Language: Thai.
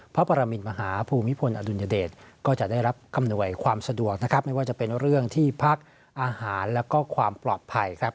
ปรมินมหาภูมิพลอดุลยเดชก็จะได้รับอำนวยความสะดวกนะครับไม่ว่าจะเป็นเรื่องที่พักอาหารแล้วก็ความปลอดภัยครับ